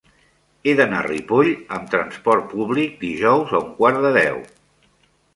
He d'anar a Ripoll amb trasport públic dijous a un quart de deu.